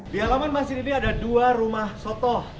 di halaman masjid ini ada dua rumah sotoh